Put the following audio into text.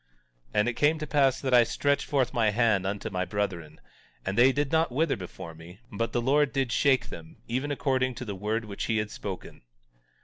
17:54 And it came to pass that I stretched forth my hand unto my brethren, and they did not wither before me; but the Lord did shake them, even according to the word which he had spoken.